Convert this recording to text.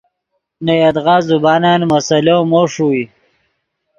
نے یدغا زبانن مسئلو مو ݰوئے